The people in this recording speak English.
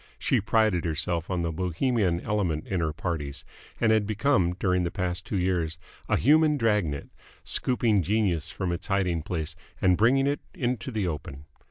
She prided herself on the Bohemian element in her parties, and had become during the past two years a human drag net, scooping Genius from its hiding place and bringing it into the open.